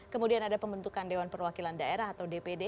kemudian ada pembentukan dewan perwakilan daerah atau dpd